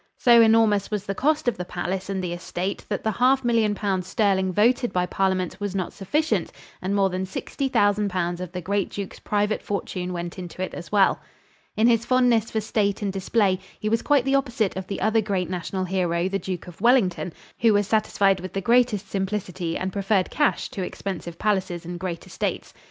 So enormous was the cost of the palace and estate that the half million pounds sterling voted by parliament was not sufficient and more than sixty thousand pounds of the great Duke's private fortune went into it as well. In his fondness for state and display, he was quite the opposite of the other great national hero, the Duke of Wellington, who was satisfied with the greatest simplicity and preferred cash to expensive palaces and great estates.